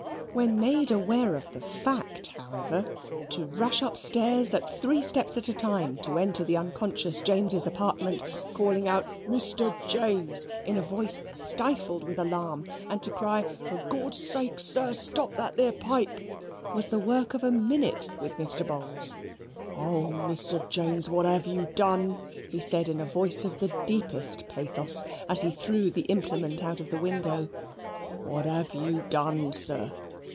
When made aware of the fact, however to rush upstairs at three steps at a time to enter the unconscious James's apartment, calling out, "Mr. James," in a voice stifled with alarm, and to cry, "For Gawd's sake, sir, stop that 'ere pipe," was the work of a minute with Mr. Bowls. "O, Mr. James, what 'AVE you done!" he said in a voice of the deepest pathos, as he threw the implement out of the window. "What 'ave you done, sir!